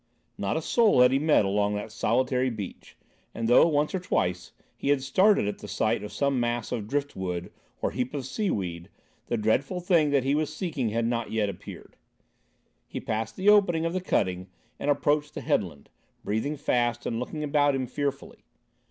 Not a soul had he met along that solitary beach, and though, once or twice, he had started at the sight of some mass of drift wood or heap of seaweed, the dreadful thing that he was seeking had not yet appeared. He passed the opening of the cutting and approached the headland, breathing fast and looking about him fearfully.